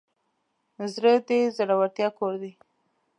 زړه د زړورتیا کور دی.